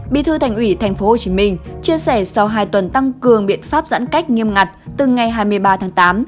bí thư thành ủy tp hcm chia sẻ sau hai tuần tăng cường biện pháp giãn cách nghiêm ngặt từ ngày hai mươi ba tháng tám